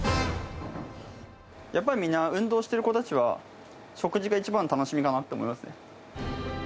やっぱりみんな運動してる子たちは、食事が一番の楽しみかなって思いますね。